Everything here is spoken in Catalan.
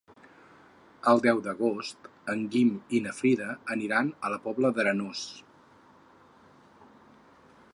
El deu d'agost en Guim i na Frida aniran a la Pobla d'Arenós.